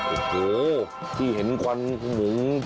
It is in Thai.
โอ้โหที่เห็นควันขมุง